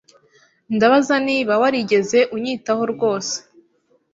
Ndabaza niba warigeze unyitaho rwose.